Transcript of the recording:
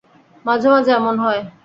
মাঝে মাঝে এমন হয়।